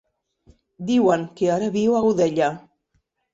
Diuen que ara viu a Godella.